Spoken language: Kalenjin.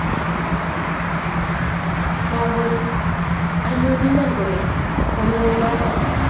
Makoy ayan iman kole koiwe olotok